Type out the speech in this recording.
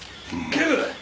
警部！